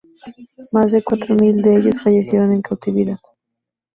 Más de cuatro mil de ellos fallecieron en cautividad.